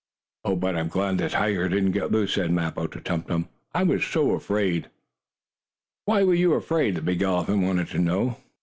"Oh, but I'm glad the tiger didn't get loose," said Mappo, to Tum Tum. "I was so afraid!" "Why were you afraid?" the big elephant wanted to know.